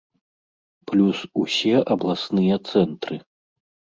Плюс усе абласныя цэнтры.